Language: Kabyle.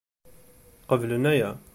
Qeblen aya.